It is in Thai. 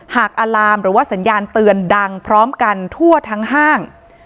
อาลามหรือว่าสัญญาณเตือนดังพร้อมกันทั่วทั้งห้าง